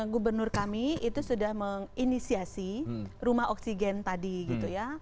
gubernur kami itu sudah menginisiasi rumah oksigen tadi gitu ya